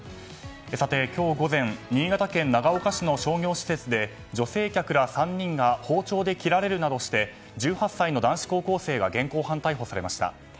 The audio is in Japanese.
今日午前、新潟県長岡市の商業施設で女性客ら３人が包丁で切られるなどして１８歳の男子高校生が現行犯逮捕されました。